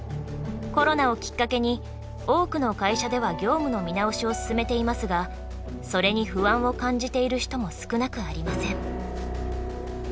コロナをきっかけに多くの会社では業務の見直しを進めていますがそれに不安を感じている人も少なくありません。